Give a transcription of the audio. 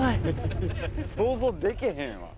想像できへん。